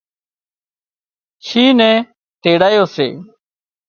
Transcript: شينهن نين تيڙايو سي